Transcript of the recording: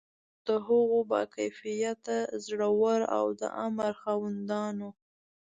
د هغو با کفایته، زړه ور او د امر خاوندانو.